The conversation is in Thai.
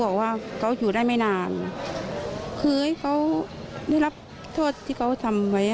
คือให้เขาได้รับโทษที่เขาทำไว้อ่ะค่ะ